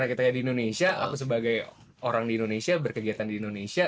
katanya di indonesia aku sebagai orang di indonesia berkegiatan di indonesia